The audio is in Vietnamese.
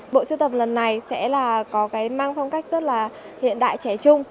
bộ siêu tập lần này sẽ là có cái mang phong cách rất là hiện đại trẻ trung